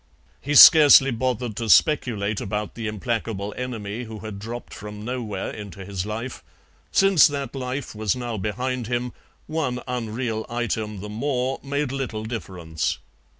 He scarcely bothered to speculate about the implacable enemy who had dropped from nowhere into his life; since that life was now behind him one unreal item the more made little difference.